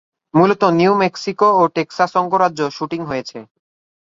মূলত New Mexico ও Texas অঙ্গরাজ্য শুটিং হয়েছে।